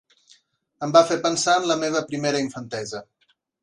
Em va fer pensar en la meva primera infantesa